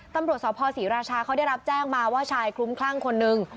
ตำรวจสภศรีราชาเขาได้รับแจ้งมาว่าชายคลุ้มคลั่งคนนึง